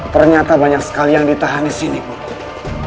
ternyata banyak sekali yang ditahanin sini guru